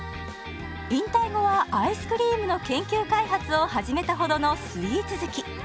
引退後はアイスクリームの研究開発を始めたほどのスイーツ好き。